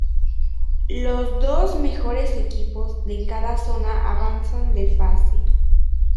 Los dos mejores equipos de cada zona avanzan de fase.